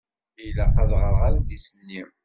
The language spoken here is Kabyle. Ilaq ad ɣṛeɣ adlis-nni.